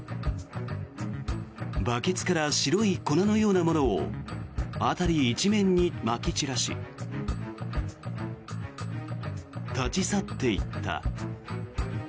バケツから白い粉のようなものを辺り一面にまき散らし立ち去っていった。